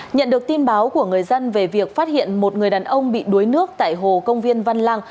nhận được tin báo của người dân về việc phát hiện một người đàn ông bị đuối nước tại hồ công viên văn lang